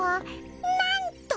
なんと！